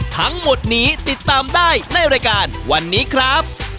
ทั้งหมดนี้ติดตามได้ในรายการวันนี้ครับ